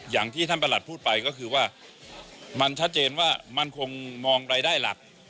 อย่างที่ท่านประหลัดพูดไปก็คือว่ามันชัดเจนว่ามันคงมองรายได้หลัก